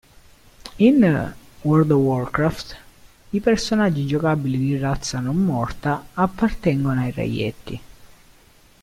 In "World of Warcraft", i personaggi giocabili di razza non morta appartengono ai Reietti.